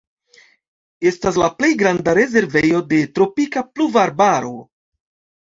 Estas la plej granda rezervejo de tropika pluvarbaro.